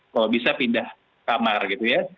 kalau bisa pindah kamar gitu ya